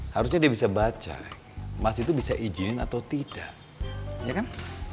harusnya dia bisa baca mas itu bisa izinin atau tidak ya kan